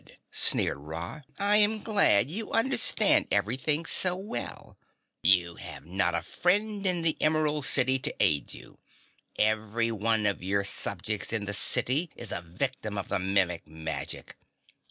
sneered Ra. "I am glad you understand everything so well. You have not a friend in the Emerald City to aid you. Everyone of your subjects in the city is a victim of the Mimic magic.